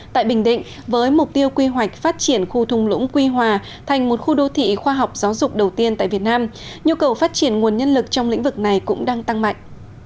tại bình định với mục tiêu quy hoạch phát triển khu thung lũng quy hòa thành một khu đô thị khoa học giáo dục đầu tiên tại việt nam nhu cầu phát triển nguồn nhân lực trong lĩnh vực này cũng đang tăng mạnh